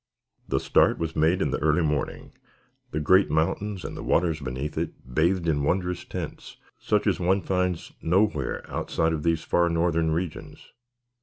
The start was made in the early morning, the great mountains and the waters beneath it bathed in wondrous tints such as one finds nowhere outside of these far northern regions.